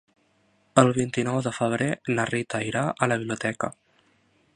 El vint-i-nou de febrer na Rita irà a la biblioteca.